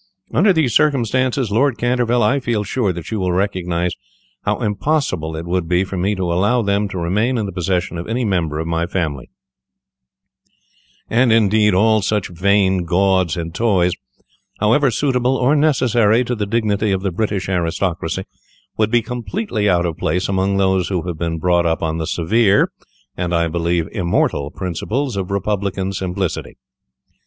Under these circumstances, Lord Canterville, I feel sure that you will recognize how impossible it would be for me to allow them to remain in the possession of any member of my family; and, indeed, all such vain gauds and toys, however suitable or necessary to the dignity of the British aristocracy, would be completely out of place among those who have been brought up on the severe, and I believe immortal, principles of Republican simplicity.